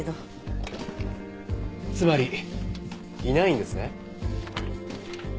つまりいないんですね。